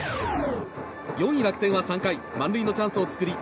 ４位、楽天は３回満塁のチャンスを作り